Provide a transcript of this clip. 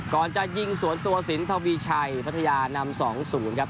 ก่อนจะยิงสวนตัวสินทวีชัยพัทยานำ๒๐ครับ